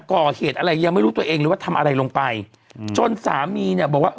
ก่อเหตุอะไรยังไม่รู้ตัวเองเลยว่าทำอะไรลงไปอืมจนสามีเนี่ยบอกว่า